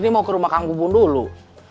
ini mau ke rumah kang gubun dulu